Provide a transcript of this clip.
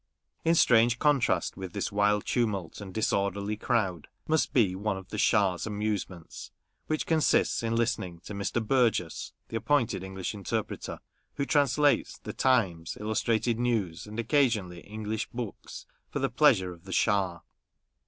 In strange contrast with this wild tumult and disorderly crowd must be one of the Schah's amusements, which consists in listening to Mr. Burgess (the appointed English inter preter), who translates the Times, Illustrated News, and, occasionally, English books, for the pleasure of the Schah.